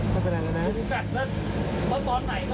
ไม่เป็นไรแล้วนะ